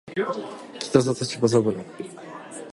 北里柴三郎